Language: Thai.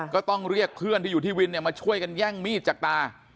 ก็ต้องเรียกเพื่อนที่อยู่ที่วินมาช่วยกันแย่งมีดจากตา